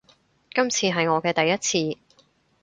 今次係我嘅第一次